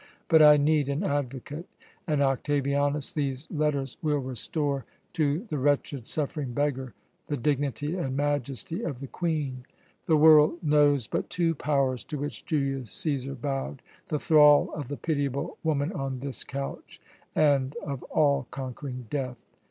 But I need an advocate and, Octavianus, these letters will restore to the wretched, suffering beggar the dignity and majesty of the Queen. The world knows but two powers to which Julius Cæsar bowed the thrall of the pitiable woman on this couch, and of all conquering death.